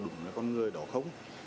có đúng là con người đó không